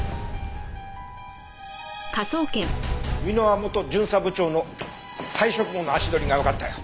箕輪元巡査部長の退職後の足取りがわかったよ。